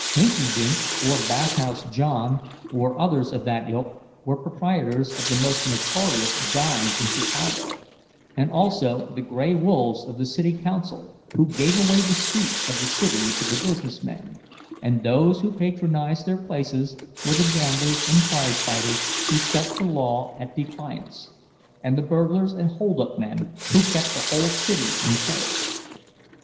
"Hinkydink" or "Bathhouse John," or others of that ilk, were proprietors of the most notorious dives in Chicago, and also the "gray wolves" of the city council, who gave away the streets of the city to the business men; and those who patronized their places were the gamblers and prize fighters who set the law at defiance, and the burglars and holdup men who kept the whole city in terror.